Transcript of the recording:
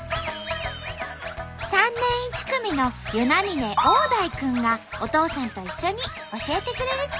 ３年１組の與那嶺旺大君がお父さんと一緒に教えてくれるって。